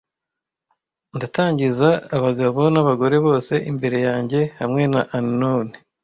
Ndatangiza abagabo n'abagore bose imbere yanjye hamwe na Unknown.